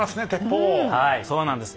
はいそうなんです。